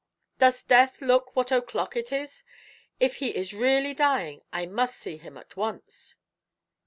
"Does death look what o'clock it is? If he is really dying, I must see him at once."